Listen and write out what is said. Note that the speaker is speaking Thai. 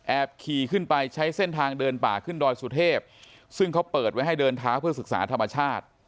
ขี่ขึ้นไปใช้เส้นทางเดินป่าขึ้นดอยสุเทพซึ่งเขาเปิดไว้ให้เดินเท้าเพื่อศึกษาธรรมชาติ